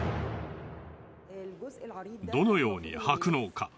どのようにはくのか。